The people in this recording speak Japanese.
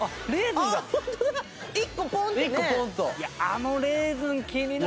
あのレーズン気になるね！